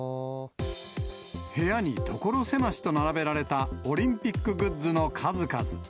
部屋に所狭しと並べられたオリンピックグッズの数々。